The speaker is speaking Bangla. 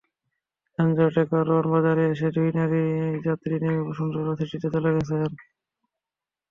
যানজটে কারওয়ান বাজারে এসে দুই নারী যাত্রী নেমে বসুন্ধরা সিটিতে চলে গেছেন।